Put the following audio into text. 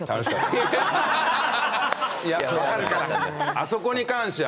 あそこに関しては。